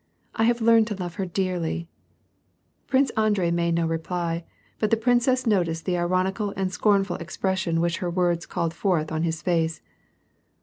I have learned to love her dearly !" Prince Andrei made no reply, but the princess noticed the ironical and scornful expression which her words called forth on his face.